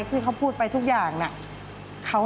ตื่นขึ้นมาอีกทีตอน๑๐โมงเช้า